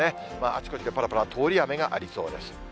あちこちでぱらぱら通り雨がありそうです。